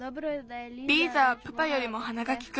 リーザはプパよりもはながきく。